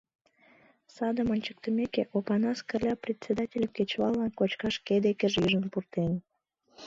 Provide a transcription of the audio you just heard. Садым ончыктымеке, Опанас Кырля председательым кечываллан кочкаш шке декыже ӱжын пуртен.